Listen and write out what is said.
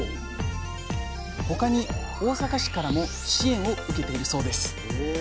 他に大阪市からも支援を受けているそうです。